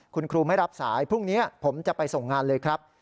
คุณครูไม่รับสายพรุ่งนี้ผมจะไปส่งงานเลยครับ